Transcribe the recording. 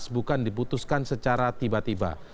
bukan diputuskan secara tiba tiba